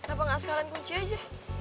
kenapa gak sekarang kunci aja